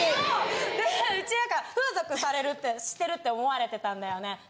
でうち何か風俗されるってしてるって思われてたんだよね。